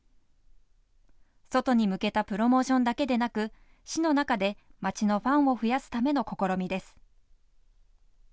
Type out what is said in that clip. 外に向けたプロモーションだけでなく市の中で町のファンを増やすための試みです。